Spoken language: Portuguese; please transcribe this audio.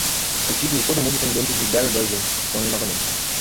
Eu tive o "todo mundo tem dentes de Gary Busey" sonho novamente.